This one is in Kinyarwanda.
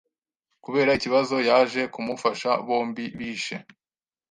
kubera ikibazo yaje kumufasha Bombi bishe